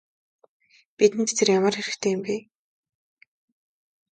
Бидэнд тэр ямар хэрэгтэй юм бэ?